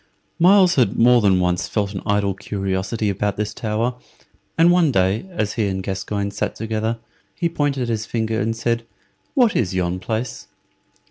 Myles had more than once felt an idle curiosity about this tower, and one day, as he and Gascoyne sat together, he pointed his finger and said, "What is yon place?"